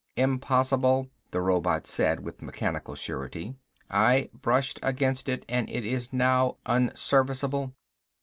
"Impossible," the robot said with mechanical surety. "I brushed against it and it is now unserviceable."